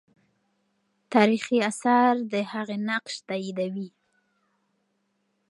تاریخي آثار د هغې نقش تاییدوي.